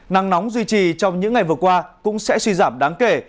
nắng nóng duy trì trong những ngày vừa qua cũng sẽ suy giảm đáng kể